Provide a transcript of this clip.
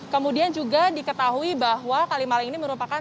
kemudian juga diketahui bahwa kalimalang ini merupakan